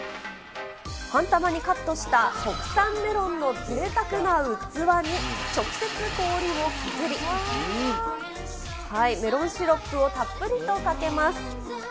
半玉にカットした国産メロンのぜいたくな器に直接氷を削り、メロンシロップをたっぷりとかけます。